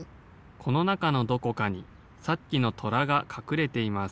・このなかのどこかにさっきのとらがかくれています。